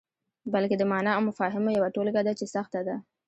بلکې د معني او مفاهیمو یوه ټولګه ده چې سخته ده.